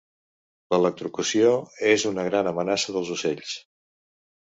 L"electrocució és una gran amenaça dels ocells.